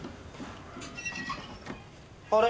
あれ？